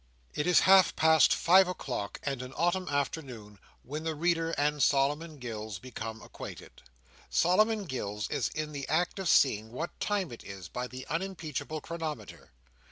It is half past five o'clock, and an autumn afternoon, when the reader and Solomon Gills become acquainted. Solomon Gills is in the act of seeing what time it is by the unimpeachable chronometer.